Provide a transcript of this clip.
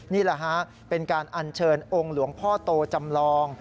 นี่แหละฮะเป็นการอัญเชิญองค์หลวงพ่อโตจำลอง